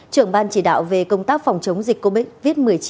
trưởng ban chỉ đạo về công tác phòng chống dịch covid một mươi chín